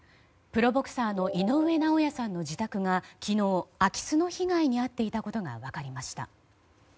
プロボクサーの井上尚弥さんの自宅が昨日空き巣の被害に遭っていたことが分かりました。